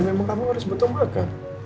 ya kan kamu harus betul makan